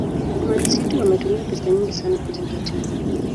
Man City wametumia pesa nyingi sana kujenga timu